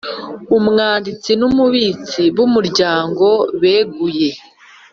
Umwanditsi numubitsi bumuryango beguye